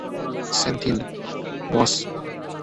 Senthil, বস।